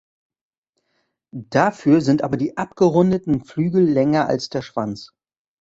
Dafür sind aber die abgerundeten Flügel länger als der Schwanz.